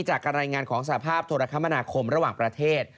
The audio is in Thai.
จากการรายงานของสภาพโทรคมนาคมระหว่างประเทศ